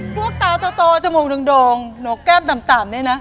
พวกตาต่อจมูกดึงดงหนูแก้มต่ำดีนะ